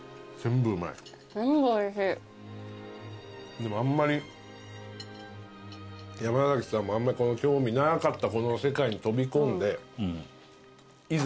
でも山崎さんもあんまり興味なかったこの世界に飛び込んでいざ